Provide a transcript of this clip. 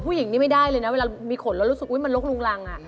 ผู้หญิงนี่ไม่ได้เลยนะเวลามีขนแล้วมีรงรัง